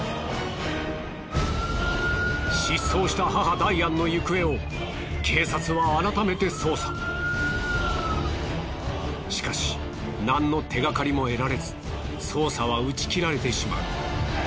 失踪した母ダイアンの行方をしかし何の手がかりも得られず捜査は打ち切られてしまう。